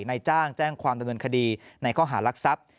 ในจ้างแจ้งความเงินคดีในข้อหารักษัพย์